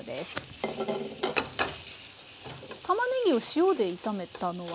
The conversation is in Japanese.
たまねぎを塩で炒めたのは？